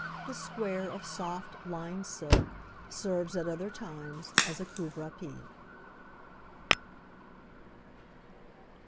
The square of soft, lined silk serves at other times as a couvrepied.